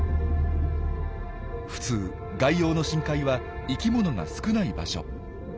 普通外洋の深海は生きものが少ない場所。